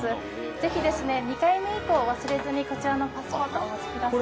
是非ですね２回目以降忘れずにこちらのパスポートお持ちください。